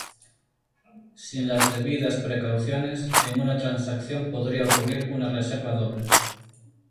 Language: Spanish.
Sin las debidas precauciones, en una transacción podría ocurrir una reserva doble.